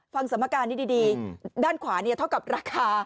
สมการนี้ดีด้านขวาเนี่ยเท่ากับราคา